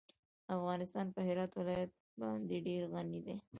افغانستان په هرات ولایت باندې ډېر غني دی.